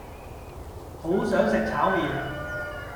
好想食炒麵